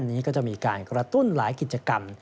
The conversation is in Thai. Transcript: นี้ก็จะมีการกระตุ้นหลายกิจกรรม